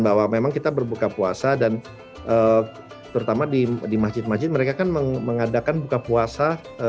bahwa memang kita berbuka puasa dan terutama di masjid masjid mereka kan mengadakan buka puasa